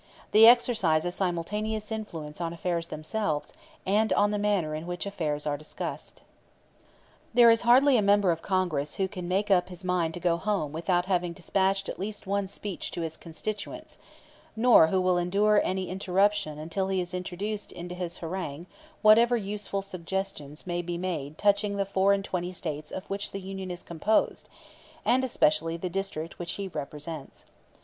They exercise a simultaneous influence on affairs themselves, and on the manner in which affairs are discussed. There is hardly a member of Congress who can make up his mind to go home without having despatched at least one speech to his constituents; nor who will endure any interruption until he has introduced into his harangue whatever useful suggestions may be made touching the four and twenty States of which the Union is composed, and especially the district which he represents.